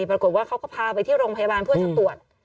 ปรากฏว่าเขาก็พาไปที่โรงพยาบาลเพื่อจะตรวจ